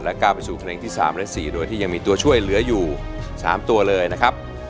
ก้าวไปสู่เพลงที่๓และ๔โดยที่ยังมีตัวช่วยเหลืออยู่๓ตัวเลยนะครับ